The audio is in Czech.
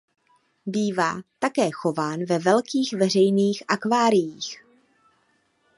Bývá také chován ve velkých veřejných akváriích.